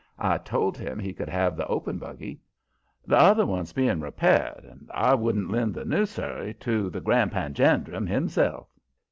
I told him he could have the open buggy; the other one's being repaired, and I wouldn't lend the new surrey to the Grand Panjandrum himself.